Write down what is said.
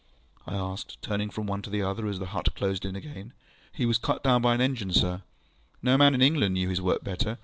ŌĆØ I asked, turning from one to another as the hut closed in again. ŌĆ£He was cut down by an engine, sir. No man in England knew his work better.